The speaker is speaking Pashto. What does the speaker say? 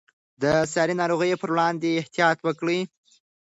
د ساري ناروغیو پر وړاندې احتیاط وکړئ.